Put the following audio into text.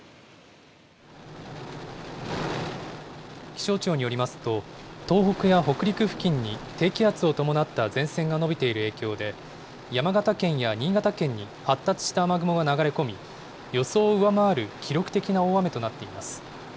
気象庁によりますと、東北や北陸付近に低気圧を伴った前線が延びている影響で、山形県や新潟県に発達した雨雲が流れ込み、予想を上回る記録的な大雨となっています。